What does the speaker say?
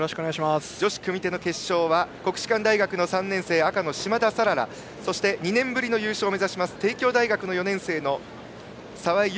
女子組手の決勝は国士舘大学の３年生、嶋田さららそして２年ぶりの優勝を目指す帝京大学４年生の澤江優